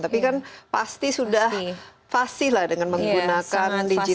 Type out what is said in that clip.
tapi kan pasti sudah fasi lah dengan menggunakan digital